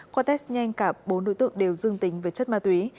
qua test nhanh cả bốn đối tượng đều dương tính với chất ma túy